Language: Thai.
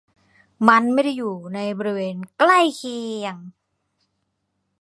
มันไม่ได้อยู่ในบริเวณใกล้เคียง